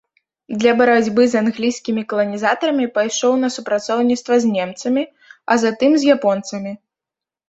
Для барацьбы з англійскімі каланізатарамі пайшоў на супрацоўніцтва з немцамі, а затым з японцамі.